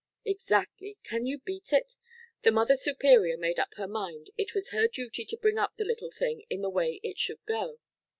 "Exactly. Can you beat it? The Mother Superior made up her mind it was her duty to bring up the little thing in the way it should go.